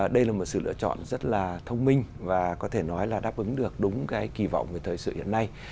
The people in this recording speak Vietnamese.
đây là một sự lựa chọn rất là thông minh và có thể nói là đáp ứng được đúng cái kỳ vọng về thời sự hiện nay